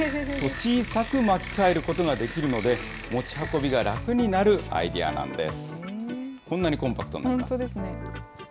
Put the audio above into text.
小さく巻き替えることができるので、持ち運びが楽になるアイデアなんです。